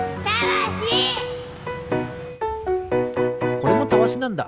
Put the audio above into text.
これもたわしなんだ。